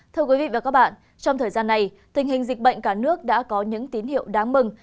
thưa quý vị và các bạn trong thời gian này tình hình dịch bệnh cả nước đã có những tín hiệu đáng mừng